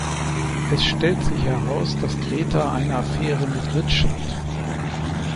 Es stellt sich heraus, dass Greta eine Affäre mit Rich hat.